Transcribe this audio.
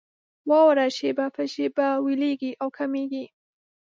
واوره شېبه په شېبه ويلېږي او کمېږي.